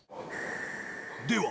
では